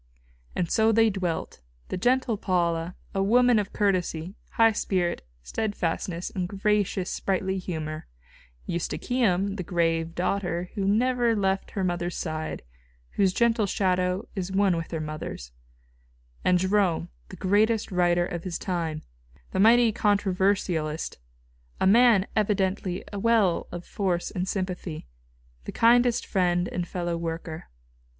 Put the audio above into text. And so they dwelt, the gentle Paula, a woman of courtesy, high spirit, steadfastness and gracious, sprightly humour; Eustochium, the grave young daughter who never left her mother's side, whose gentle shadow is one with her mother's; and Jerome, the greatest writer of his time, the mighty controversialist, a man evidently a well of force and sympathy, the kind friend and fellow worker.